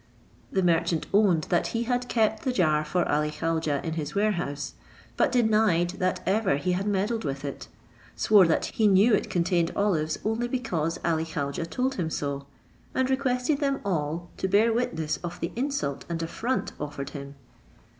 The merchant owned that he had kept the jar for Ali Khaujeh in his warehouse, but denied that ever he had meddled with it; swore that he knew it contained olives, only because Ali Khaujeh told him so, and requested them all to bear witness of the insult and affront offered him.